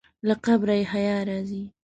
له قبره یې حیا راځي.